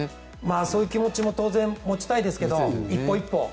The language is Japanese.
そういう気持ちも当然、持ちたいですけど一歩一歩。